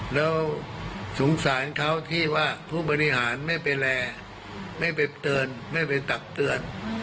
แล้วสงสารเขาที่ว่าผู้บริหารไม่ไปแลไม่ไปเตือนไม่ไปตักเตือน